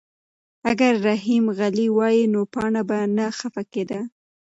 اگر رحیم غلی وای نو پاڼه به نه خفه کېده.